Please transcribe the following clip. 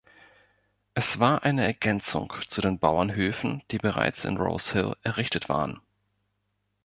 Es war eine Ergänzung zu den Bauernhöfen, die bereits in Rose Hill errichtet waren.